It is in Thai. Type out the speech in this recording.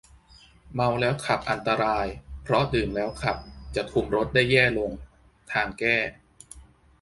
เมาแล้วขับอันตรายเพราะดื่มแล้วขับจะคุมรถได้แย่ลง ทางแก้